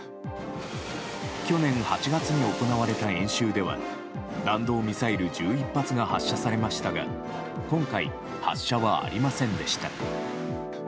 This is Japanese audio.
去年８月に行われた演習では弾道ミサイル１１発が発射されましたが今回、発射はありませんでした。